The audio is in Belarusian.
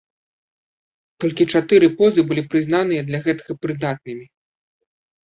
Толькі чатыры позы былі прызнаныя для гэтага прыдатнымі.